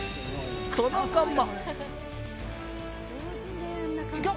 その後も。